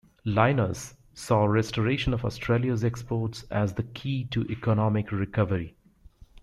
Lyons saw restoration of Australia's exports as the key to economic recovery.